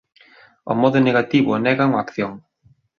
O modo negativo nega unha acción.